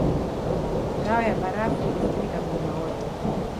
Ngao ya barafu ilifunika mlima wote